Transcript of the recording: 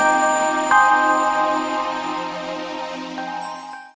jangan lupa like subscribe share dan subscribe